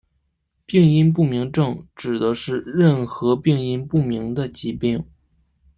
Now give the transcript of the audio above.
病因不明症指的是任何病因不明的疾病。